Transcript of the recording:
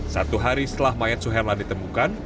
satu hari setelah mayat suherlan ditemukan